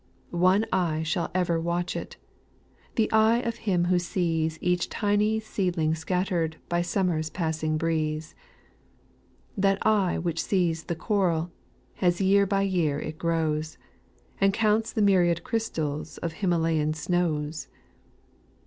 2. One eye shall ever watch it, The eye of Him who sees Each tiny seedling scattered By summer's passing breeze ; That eye which sees the coral, As year by year it grows, And counts the myriad ciystals Of Himalayan snows.